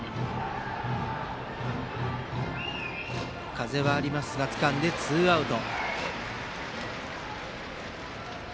風はありますがレフトつかんでツーアウト。